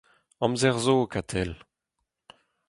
Amzer zo, Katell.